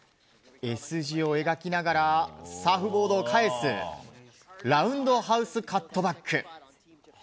Ｓ字を描きながらサーフボードを返すラウンドハウスカットバック。